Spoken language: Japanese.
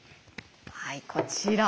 はいこちら。